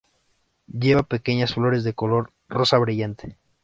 Lleva pequeñas flores de color rosa brillante.